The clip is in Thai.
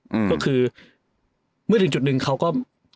ก็คือมื้อถึงจุดนึงเขาก็